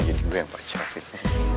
jadi gue yang pacarin